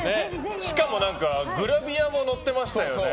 しかもグラビアも載ってましたよね。